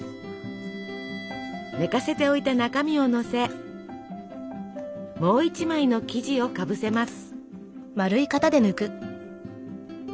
寝かせておいた中身をのせもう１枚の生地をかぶせます。